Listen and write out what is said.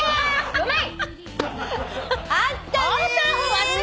うまい！